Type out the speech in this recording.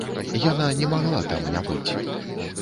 Яна не магла там не быць.